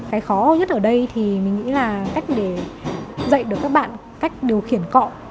cái khó nhất ở đây thì mình nghĩ là cách để dạy được các bạn cách điều khiển cọ